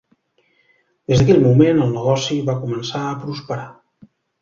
Des d'aquell moment el negoci va començar a prosperar.